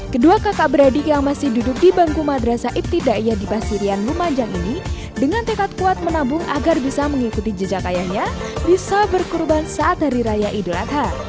kedua kakak beradik yang masih duduk di bangku madrasa ibtidaiyah di pasurian lumajang ini dengan tekad kuat menabung agar bisa mengikuti jejak ayahnya bisa berkurban saat hari raya idul adha